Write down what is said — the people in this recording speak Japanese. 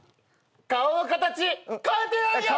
顔の形変えてやんよ！